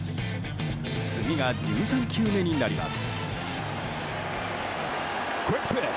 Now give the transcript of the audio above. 次が１３球目になります。